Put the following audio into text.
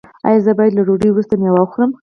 ایا زه باید له ډوډۍ وروسته میوه وخورم؟